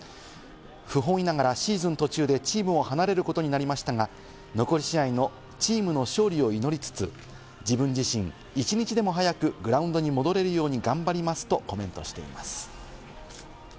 不本意ながらシーズン途中でチームを離れることになりましたが、残り試合のチームの勝利を祈りつつ、自分自身、一日でも早くグラウンドに戻れるように頑張りますとコメントしています。